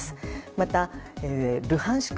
またルハンシク